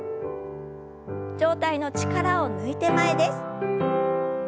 上体の力を抜いて前です。